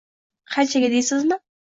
Qanchaga deysizmi?